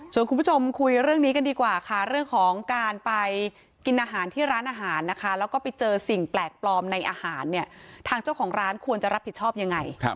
ส่วนคุณผู้ชมคุยเรื่องนี้กันดีกว่าค่ะเรื่องของการไปกินอาหารที่ร้านอาหารนะคะแล้วก็ไปเจอสิ่งแปลกปลอมในอาหารเนี่ยทางเจ้าของร้านควรจะรับผิดชอบยังไง